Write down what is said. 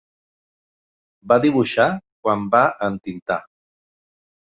Va dibuixar quan va entintar.